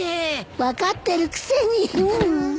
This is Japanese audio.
分かってるくせに。